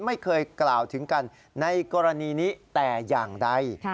ไม่เคยกล่าวถึงกันในกรณีนี้แต่อย่างใด